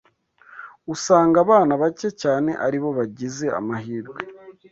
Usanga abana bake cyane ari bo bagize amahirwe